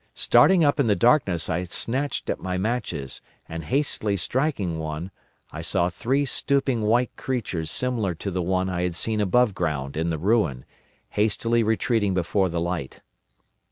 Starting up in the darkness I snatched at my matches and, hastily striking one, I saw three stooping white creatures similar to the one I had seen above ground in the ruin, hastily retreating before the light.